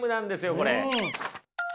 これ。